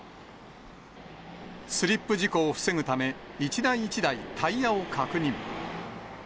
スリップ事故を防ぐため、一台一台、タイヤを確認。